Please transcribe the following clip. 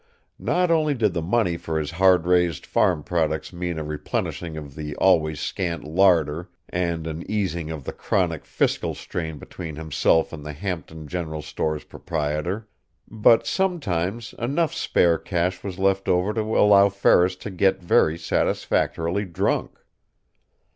Not only did the money for his hard raised farm products mean a replenishing of the always scant larder and an easing of the chronic fiscal strain between himself and the Hampton general store's proprietor, but sometimes enough spare cash was left over to allow Ferris to get very satisfactorily drunk.